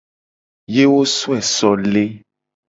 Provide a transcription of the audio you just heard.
Ye wo soe so le.